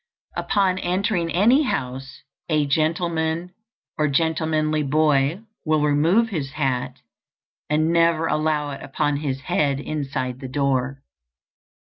Upon entering any house a gentleman or gentlemanly boy will remove his hat, and never allow it upon his head inside the door.